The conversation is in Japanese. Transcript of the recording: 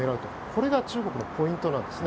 これが中国のポイントなんです。